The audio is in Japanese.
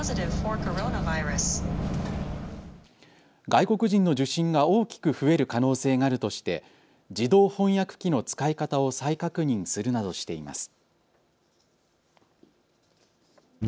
外国人の受診が大きく増える可能性があるとして自動翻訳機の使い方を再確認するなどしています。